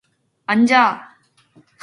앉아.